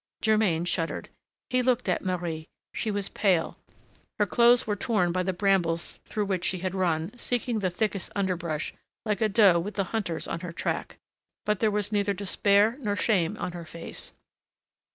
Germain shuddered. He looked at Marie: she was pale, her clothes were torn by the brambles through which she had run, seeking the thickest underbrush, like a doe with the hunters on her track. But there was neither despair nor shame on her face.